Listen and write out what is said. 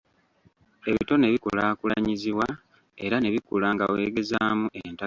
Ebitone bikulaakulanyizibwa era ne bikula nga weegezaamu entakera.